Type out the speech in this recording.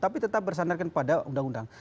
tapi tetap bersandarkan pada undang undang